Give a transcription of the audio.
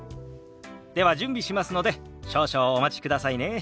では準備しますので少々お待ちくださいね。